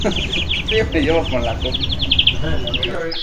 Fue el primer editor del diario "Noticias de Mongolia".